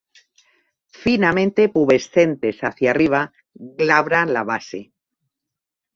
Finamente pubescentes hacia arriba, glabra la base.